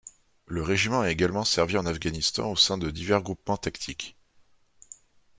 Le régiment a également servi en Afghanistan au sein de divers groupements tactiques.